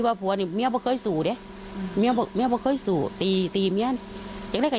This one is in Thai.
นางมอนก็บอกว่านางมอนก็บอกว่านางมอนก็บอกว่า